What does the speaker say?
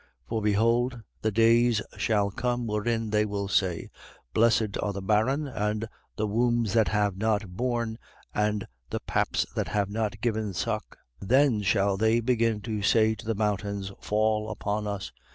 23:29. For behold, the days shall come, wherein they will say: Blessed are the barren and the wombs that have not borne and the paps that have not given suck. 23:30. Then shall they begin to say to the mountains: Fall upon us.